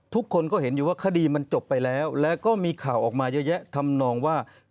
ทุกคนก็เห็นอยู่ว่าคดีมันจบไปแล้วแล้วก็มีข่าวออกมาเยอะแยะทำนองว่า